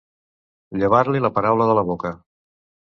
Llevar-li la paraula de la boca.